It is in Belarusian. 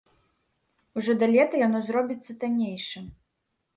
Ужо да лета яно зробіцца таннейшым.